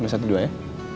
menu satu dan dua ya